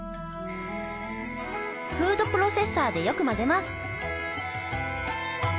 フードプロセッサーでよく混ぜます。